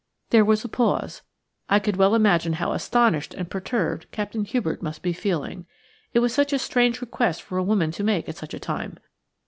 There was a pause. I could well imagine how astonished and perturbed Captain Hubert must be feeling. It was such a strange request for a woman to make at such a time.